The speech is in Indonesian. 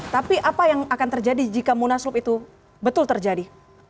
tapi apa yang akan terjadi jika munaslup itu betul terjadi